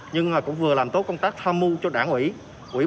nhưng cũng vừa làm tốt công tác tham mưu cho đảng ủy